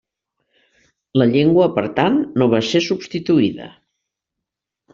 La llengua, per tant, no va ser substituïda.